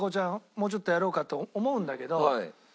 もうちょっとやろうかと思うんだけど。